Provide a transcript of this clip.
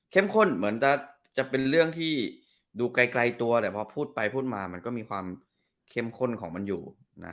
เหมือนจะเป็นเรื่องที่ดูไกลตัวแต่พอพูดไปพูดมามันก็มีความเข้มข้นของมันอยู่